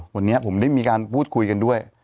วันนี้ผมได้มีการพูดคุยกันด้วย